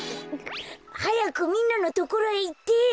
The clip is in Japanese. はやくみんなのところへいって！